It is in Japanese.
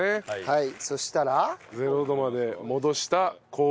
はい。